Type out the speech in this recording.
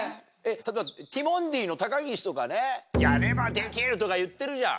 例えばティモンディの高岸とかね。とか言ってるじゃん。